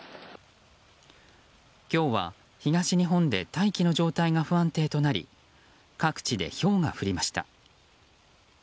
今日は東日本で大気の状態が不安定となり各地でひょうが降りました。